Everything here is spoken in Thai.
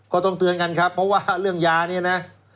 ก็ต้องเตือนกันครับเพราะว่าเรื่องยาเนี่ยนะ